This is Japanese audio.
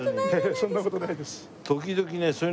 そんな事ないです。